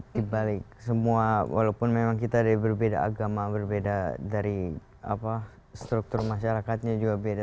di balik semua walaupun memang kita dari berbeda agama berbeda dari struktur masyarakatnya juga beda